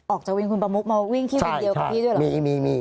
ออกจากวิ่งคุณประมูกมาวิ่งที่วิ่งเดียวกับพี่ด้วยหรอใช่ใช่มีมีมี